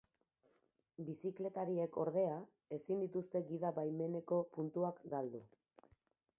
Bizikletariek, ordea, ezin dituzte gida-baimeneko puntuak galdu.